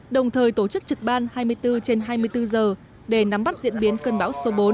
đồng thời tổ chức trực ban hai mươi bốn trên hai mươi bốn giờ để nắm bắt diễn biến cơn bão số bốn